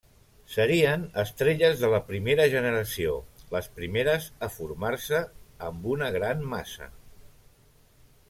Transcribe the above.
Serien estrelles de la primera generació, les primeres a formar-se, amb una gran massa.